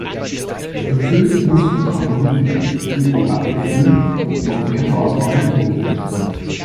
Natürlich muss und kann man die Debatte führen, ob noch mehr Maßnahmen notwendig sind.